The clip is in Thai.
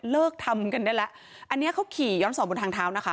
เลิกทำกันได้แล้วอันนี้เขาขี่ย้อนสอนบนทางเท้านะคะ